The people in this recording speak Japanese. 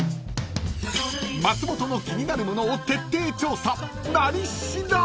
［松本の気になるものを徹底調査「なり調」］